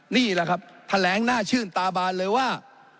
นี่แหละครับแถลงหน้าชื่นตาบานเลยว่า